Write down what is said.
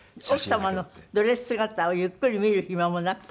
奥様のドレス姿をゆっくり見る暇もなく。